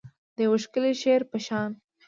د یو ښکلي شعر په شاني